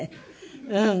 うん。